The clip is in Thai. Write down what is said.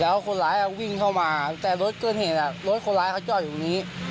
แล้วคนร้ายวิ่งเข้ามาแต่รถเกินเหตุรถคนร้ายเขาจอดอยู่ตรงนี้